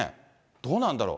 どうなんだろう。